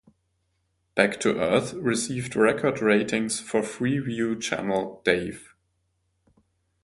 Back to Earth received record ratings for freeview channel Dave.